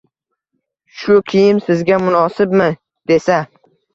shu kiyim sizga munosibmi? – desa.